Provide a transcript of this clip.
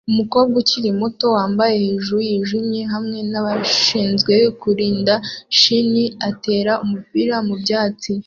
Umukobwa ukiri muto wambaye hejuru yijimye hamwe nabashinzwe kurinda shin atera umupira mubyatsi